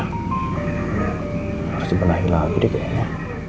harus dibenahi lagi deh kayaknya